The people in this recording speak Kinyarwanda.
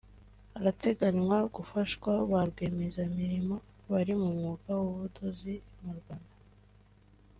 harateganywa gufashwa ba rwiyiyemezamirimo bari mu mwuga w’ubudozi mu Rwanda